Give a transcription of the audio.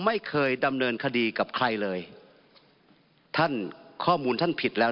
ไม่เคยดำเนินคดีกับใครเลยท่านข้อมูลท่านผิดแล้ว